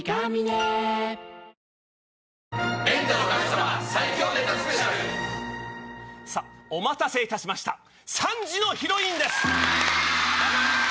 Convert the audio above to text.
この後さぁお待たせいたしました３時のヒロインです！